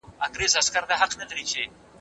سپین سرې وویل چې ځونډي زموږ عزت دی.